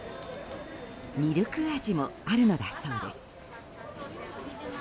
ミルク味もあるのだそうです。